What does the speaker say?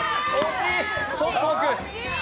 ちょっと奥。